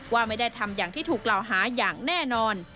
ว่าไม่ได้ทำอย่างที่ถูกกล่าวหาอย่างแน่นอน